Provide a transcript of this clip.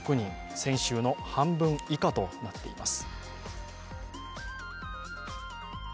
先週の半分以下となっています。